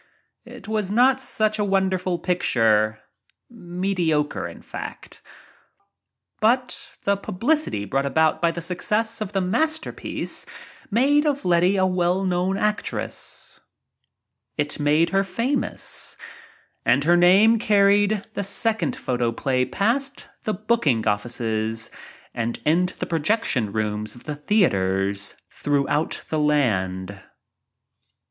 It was not such a —mediocre, in fact. But the pub licity brought about by the success of the master piece made of Letty a well known actress. It made her famous. And her name carried the second photoplay past the booking offices and into the pro jection rooms of the theaters throughout the land.